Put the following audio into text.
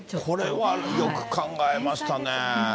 これはよく考えましたね。